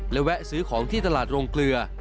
และแวะซื้อของที่ตลาดโรงเกลือ